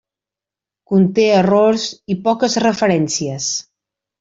Conté errors i poques referències.